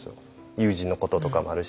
友人のこととかもあるし。